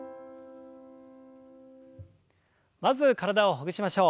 まず体をほぐしましょう。